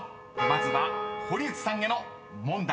まずは堀内さんへの問題］